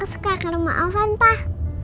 aku suka ke rumah ovan pak